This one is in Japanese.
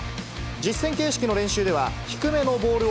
実戦形式の練習では、低めのボールを、